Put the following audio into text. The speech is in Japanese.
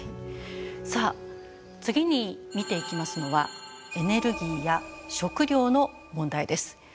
さあ次に見ていきますのはエネルギーや食料の問題です。